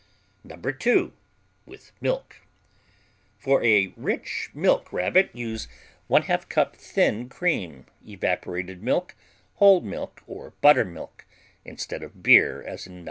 No. 2 (with milk) For a rich milk Rabbit use 1/2 cup thin cream, evaporated milk, whole milk or buttermilk, instead of beer as in No.